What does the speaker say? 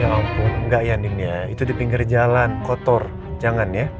ya ampun enggak ya din ya itu di pinggir jalan kotor jangan ya